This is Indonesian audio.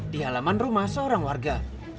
di halaman rumah seorang warga